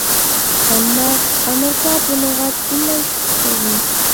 ئەمما ئامېرىكا بۇنىڭغا پۈتۈنلەي سۈكۈت قىلدى.